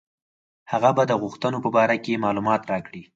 هغه به د غوښتنو په باره کې معلومات راکړي.